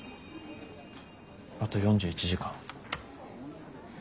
あと４１時間。